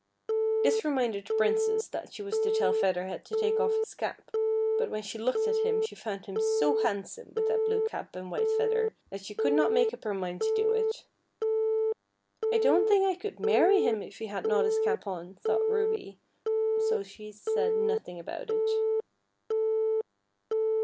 This reminded the Princess that she was to tell Feather Head to take off his cap, but when she looked at him she found him so handsome with that blue cap and white feather that she could not make up her mind to do it. " I don't think I could marry him if he had not his cap on," thought Ruby, so she said nothing about it.